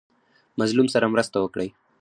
مظلوم سره مرسته وکړئ